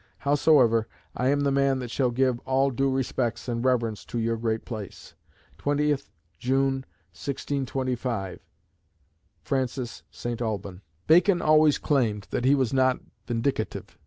Howsoever, I am the man that shall give all due respects and reverence to your great place. "20th June, 1625. FR. ST. ALBAN." Bacon always claimed that he was not "vindicative."